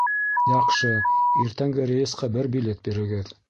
Яҡшы, иртәнге рейсҡа бер билет бирегеҙ